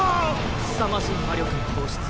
すさまじい魔力の放出。